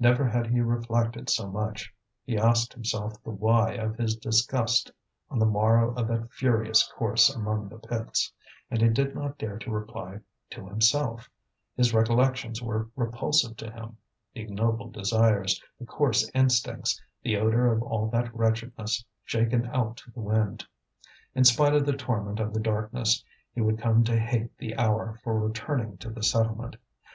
Never had he reflected so much; he asked himself the why of his disgust on the morrow of that furious course among the pits; and he did not dare to reply to himself, his recollections were repulsive to him, the ignoble desires, the coarse instincts, the odour of all that wretchedness shaken out to the wind. In spite of the torment of the darkness, he would come to hate the hour for returning to the settlement.